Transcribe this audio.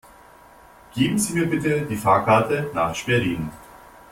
Geben Sie mir bitte die Fahrkarte nach Schwerin